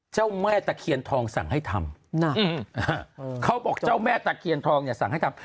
เจ้าแม่ตะเคียนทองสั่งให้ทำเขาบอกเจ้าแม่ตะเคียนทองเนี่ยสั่งให้ทำ